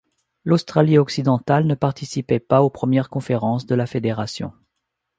L'Australie-Occidentale ne participait pas aux premières conférences de la fédération.